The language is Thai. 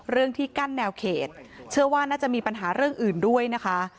เรื่องที่กั้นแนวเขตเชื่อว่าน่าจะมีปัญหาเรื่องอื่นด้วยนะคะ